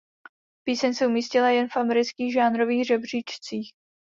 Píseň se umístila jen v amerických žánrových žebříčcích.